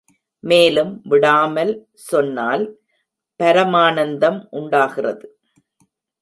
மேலும் விடாமல் சொன்னால் பரமானந்தம் உண்டாகிறது.